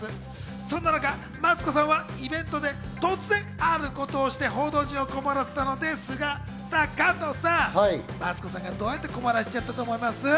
そんな中、マツコさんはイベントで突然あることをして報道陣を困らせたのですが加藤さん、どうやって困らせたと思いますか？